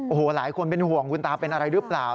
โอ้โหหลายคนเป็นห่วงคุณตาเป็นอะไรหรือเปล่า